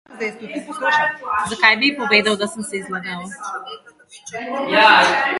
Zakaj bi ji povedal, da sem se ji zlagal?